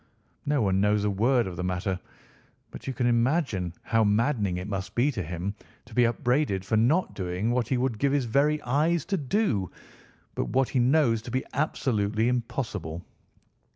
No one knows a word of the matter, but you can imagine how maddening it must be to him to be upbraided for not doing what he would give his very eyes to do, but what he knows to be absolutely impossible.